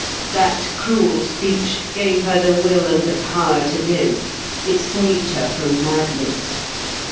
That cruel speech gave her the will and the power to live. It saved her from madness.